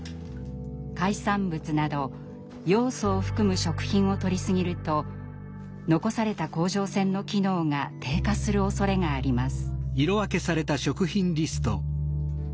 海産物などヨウ素を含む食品をとり過ぎると残された甲状腺の機能が低下するおそれがあります。